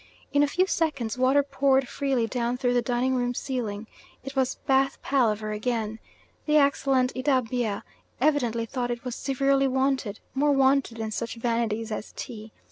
In a few seconds water poured freely down through the dining room ceiling. It was bath palaver again. The excellent Idabea evidently thought it was severely wanted, more wanted than such vanities as tea.